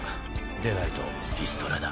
でないとリストラだ。